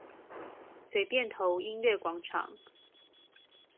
水汴頭音樂廣場